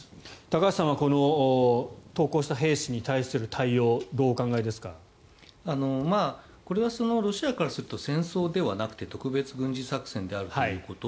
高橋さんはこの投降した兵士に対する対応をこれはロシアからすると戦争ではなくて特別軍事作戦であるということ。